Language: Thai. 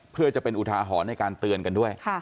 เพื่อจะเป็นอุทาหรณ์ในการเตือนกันด้วย